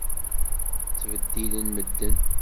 Ttbeddilen medden.